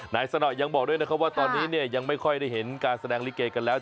สนอยังบอกด้วยนะครับว่าตอนนี้เนี่ยยังไม่ค่อยได้เห็นการแสดงลิเกกันแล้ว